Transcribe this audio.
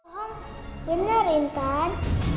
bapak benar intan